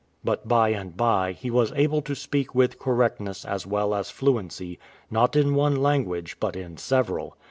*" But by and by he was able to speak with correctness as well as fluency, not in one language, but in several.